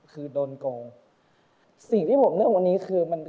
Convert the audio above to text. ขี้เหนียว